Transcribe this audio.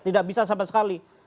tidak bisa sama sekali